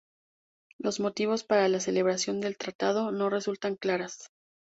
Los motivos para la celebración del tratado no resultan claras.